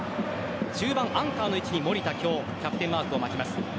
中盤、アンカーの位置に守田キャプテンマークを巻きます。